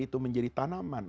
itu menjadi tanaman